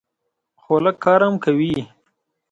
خو لږ کار هم کوي.